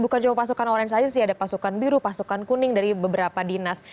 bukan cuma pasukan orange saja sih ada pasukan biru pasukan kuning dari beberapa dinas